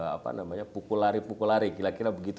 apa namanya pukul lari pukul lari kira kira begitu